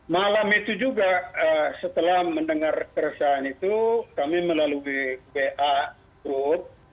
malam itu juga setelah mendengar keresahan itu kami melalui wa group